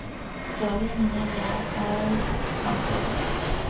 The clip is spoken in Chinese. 索利尼莱埃唐格。